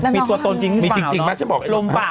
มีตัวตนถือเปล่ามีจริงเป็นปราะ